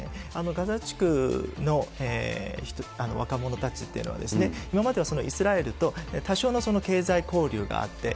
ガザ地区の若者たちっていうのは、今まではイスラエルと多少の経済交流があって。